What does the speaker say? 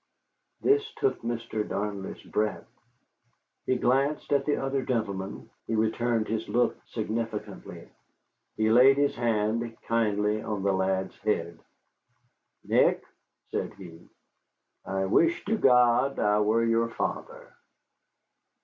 This took Mr. Darnley's breath. He glanced at the other gentlemen, who returned his look significantly. He laid his hand kindly on the lad's head. "Nick," said he, "I wish to God I were your father."